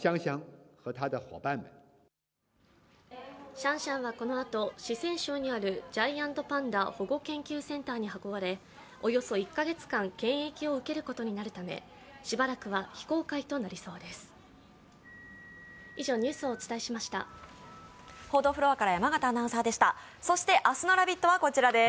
シャンシャンはこのあと、四川省にあるジャイアントパンダ保護研究センターに運ばれおよそ１か月間、検疫を受けることになるため、しばらくは非公開となりそうです。